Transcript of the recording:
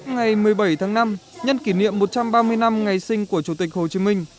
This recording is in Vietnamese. ngày một mươi bảy tháng năm nhân kỷ niệm một trăm ba mươi năm ngày sinh của chủ tịch hồ chí minh